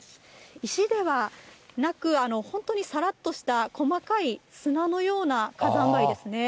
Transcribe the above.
石ではなく、本当にさらっとした細かい砂のような火山灰です